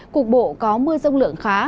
cục bộ có mưa rông lượng khá